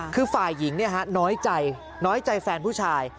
คือฝ่ายหญิงน้อยใจน้อยใจแฟนผู้ชาย